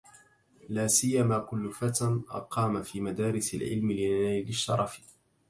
لاسيماكل فتى أقامَ في مدارس العلم لنيل الشرفِ